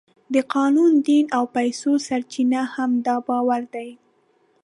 د قانون، دین او پیسو سرچینه هم دا باور دی.